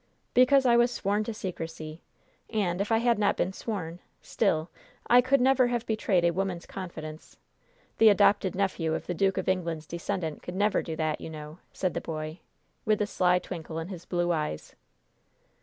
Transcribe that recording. "Because I was sworn to secrecy! And, if I had not been sworn, still, I could never have betrayed a woman's confidence. The adopted nephew of the Duke of England's descendant could never do that, you know!" said the boy, with a sly twinkle in his blue eyes.